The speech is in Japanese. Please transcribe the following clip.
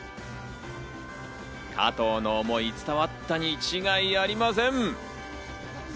加藤の思い、伝わったに違いありません。